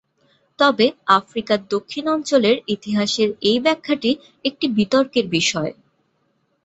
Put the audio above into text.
তবে আফ্রিকার দক্ষিণ অঞ্চলের ইতিহাসের এই ব্যাখ্যাটি একটি বিতর্কের বিষয়।